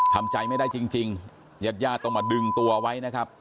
ทำใจไม่ได้จริงญาติญาติต้องมาดึงตัวไว้นะครับ